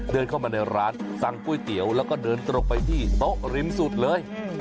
เดินเข้ามาในร้านสั่งก๋วยเตี๋ยวแล้วก็เดินตรงไปที่โต๊ะริมสุดเลย